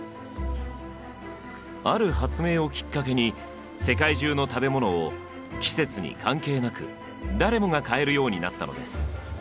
ある発明をきっかけに世界中の食べ物を季節に関係なく誰もが買えるようになったのです。